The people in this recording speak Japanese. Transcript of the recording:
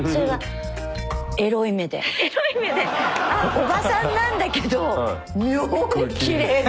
おばさんなんだけど妙にきれいな。